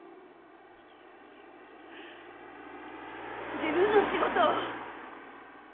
自分の仕事を。